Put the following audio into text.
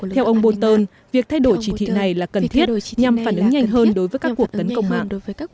theo ông bolton việc thay đổi chỉ thị này là cần thiết nhằm phản ứng nhanh hơn đối với các cuộc tấn công mạng